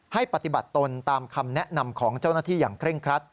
ให้ปฏิบัติตนตามคำแนะนำของเจ้าหน้าที่อย่างเคร่งครัด